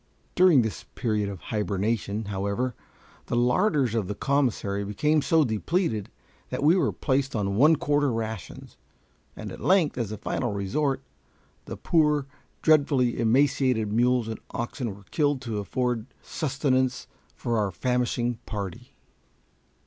During this period of hibernation, however, the larders of the commissary became so depleted that we were placed on one quarter rations, and at length, as a final resort, the poor, dreadfully emaciated mules and oxen were killed to afford sustenance for our famishing party.